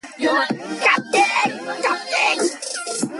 Its conclusion is marked by the initial operational capability milestone.